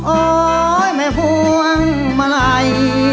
โอ๊ยไม่ภูมิมาไร